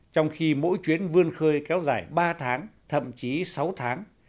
trong khi mỗi chuyến vươn khơi kéo dài ba tháng thậm chí sáu tháng